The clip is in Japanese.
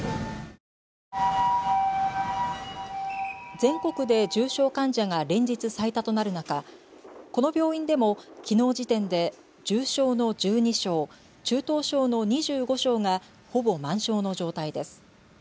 全国で重症患者が連日最多となる中、この病院でも、きのう時点で重症の１２床、中等症の２５床がほぼ満床の状態です。